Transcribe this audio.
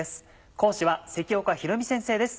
講師は関岡弘美先生です。